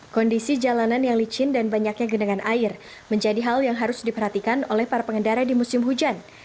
kondisi jalanan yang licin dan banyaknya genangan air menjadi hal yang harus diperhatikan oleh para pengendara di musim hujan